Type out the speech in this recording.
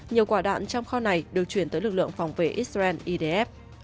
nhiều quả đạn trong kho này được chuyển tới lực lượng phòng vệ israel idf